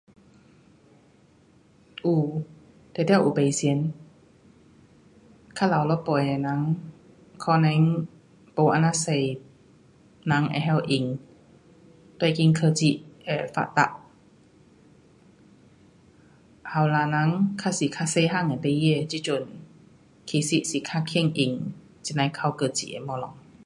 有，定得有不同，较老一辈的人可能没这样多人会晓用，跟紧科技的发达。年轻人较多较小个的孩儿其实是较棒在这呐靠科技的东西。